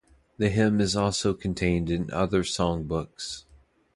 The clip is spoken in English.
The hymn is also contained in other songbooks.